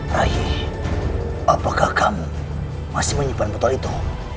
ray apakah kamu masih menyimpan botol itu